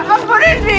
ambunin dia pak